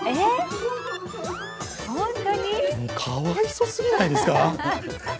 かわいそすぎないですか。